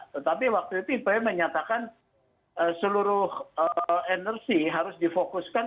tetapi waktu itu saya menyatakan seluruh energi harus difokuskan